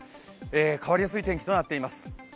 変わりやすい天気となっています。